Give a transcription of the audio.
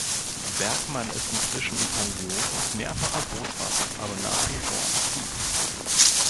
Bergmann ist inzwischen in Pension und mehrfacher Großvater, aber nach wie vor aktiv.